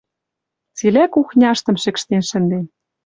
Цилӓ кухняштым шӹкштен шӹнден.